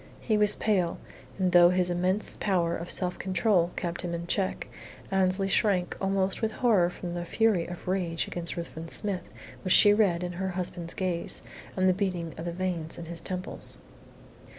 He was pale, and though his immense power of self control kept him in check, Annesley shrank almost with horror from the fury of rage against Ruthven Smith which she read in her husband's gaze and the beating of the veins in his temples.